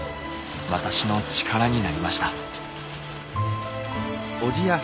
私の力になりました。